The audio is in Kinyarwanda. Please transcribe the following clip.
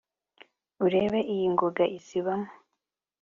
Urebe iy'ingoga izibamo,